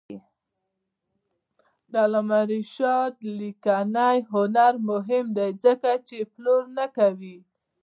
د علامه رشاد لیکنی هنر مهم دی ځکه چې پلور نه کوي.